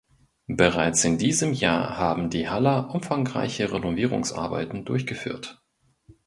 Bereits in diesem Jahr haben die Haller umfangreiche Renovierungsarbeiten durchgeführt.